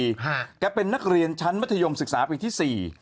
ฮะแกเป็นนักเรียนชั้นมัธยมศึกษาปีที่สี่